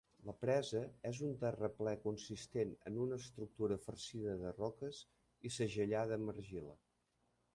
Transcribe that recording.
La presa és un terraplè consistent en una estructura farcida de roques i segellada amb argila.